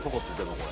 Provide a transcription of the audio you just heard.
これ。